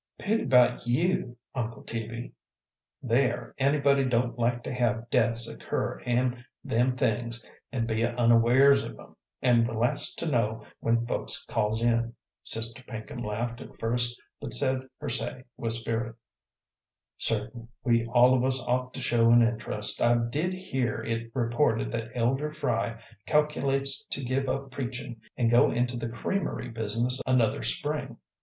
"Pity 'bout you, Uncle Teaby! There, anybody don't like to have deaths occur an' them things, and be unawares of 'em, an' the last to know when folks calls in." Sister Pinkham laughed at first, but said her say with spirit. "Certain, certain, we ought all of us to show an interest. I did hear it reported that Elder Fry calculates to give up preachin' an' go into the creamery business another spring.